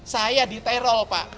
saya diterol pak